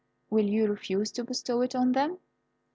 Will you refuse to bestow it on them?"